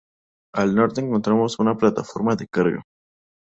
Al norte encontramos una plataforma de carga.